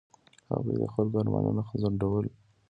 هغوی د خلکو ارمانونه ځنډول.